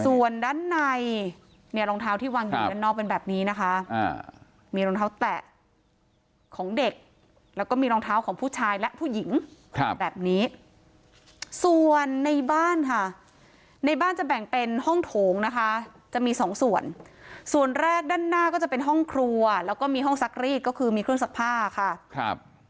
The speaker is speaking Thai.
ส่วนด้านในเนี่ยรองเท้าที่วางอยู่ด้านนอกเป็นแบบนี้นะคะมีรองเท้าแตะของเด็กแล้วก็มีรองเท้าของผู้ชายและผู้หญิงแบบนี้ส่วนในบ้านค่ะในบ้านจะแบ่งเป็นห้องโถงนะคะจะมีสองส่วนส่วนแรกด้านหน้าก็จะเป็นห้องครัวแล้วก็มีห้องซักรีดก็คือมีเครื่องซักผ้าค่ะครับ